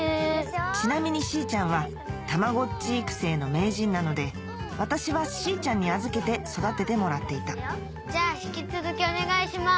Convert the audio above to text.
ちなみにしーちゃんはたまごっち育成の名人なので私はしーちゃんに預けて育ててもらっていたじゃあ引き続きお願いします。